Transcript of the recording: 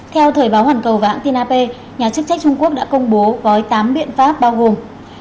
theo thời báo hoàn cầu và hãng tin ap nhà chức trách trung quốc đã công bố gói tám biện pháp bao gồm